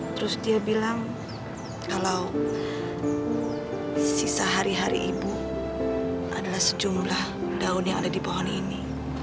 terus dia bilang kalau sisa hari hari ibu adalah sejumlah daun yang ada di pohon ini